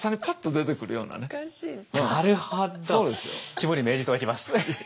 肝に銘じておきます。